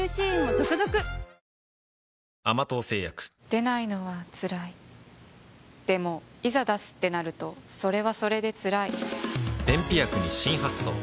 出ないのは辛いでもいざ出すってなるとそれはそれで辛い便秘薬に新発想